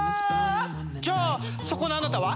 じゃあそこのあなたは？